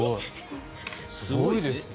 すごいですね。